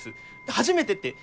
「初めて」って。